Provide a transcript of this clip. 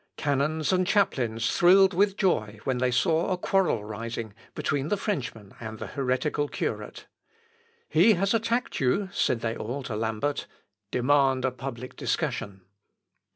Canons and chaplains thrilled with joy when they saw a quarrel rising between the Frenchman and the heretical curate. "He has attacked you," said they all to Lambert: "demand a public discussion."